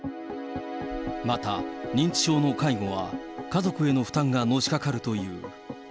また、認知症の介護は家族への負担がのしかかるという。